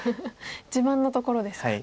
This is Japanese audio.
自慢のところですか。